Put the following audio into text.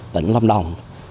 tỉnh lâm đồng